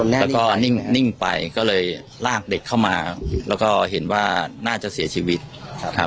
แล้วก็นิ่งไปก็เลยลากเด็กเข้ามาแล้วก็เห็นว่าน่าจะเสียชีวิตครับ